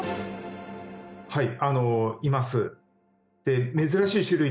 はい。